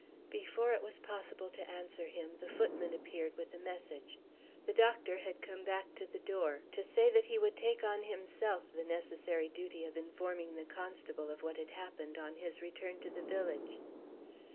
Before it was possible to answer him the footman appeared with a message. The doctor had come back to the door to say that he would take on himself the necessary duty of informing the constable of what had happened, on his return to the village.